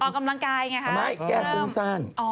อ๋อกำลังกายไงคะเริ่มทำไมแก้ฟรุ้งสร้าง